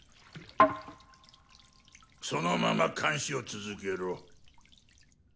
そのまま監視を続けろ。